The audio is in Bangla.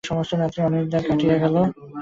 সমস্ত রাত্রি অনিদ্রায় কাটিয়া গেল।